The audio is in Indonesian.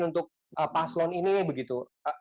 untuk paslon ini begitu